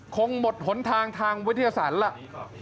คงหมดหนทางทางวิทยาศาสตร์ล่ะ